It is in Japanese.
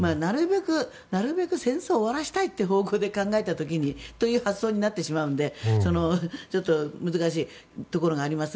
なるべく戦争は終わらせたいという方向で考えた時にという発想になってしまうのでちょっと難しいところがあります。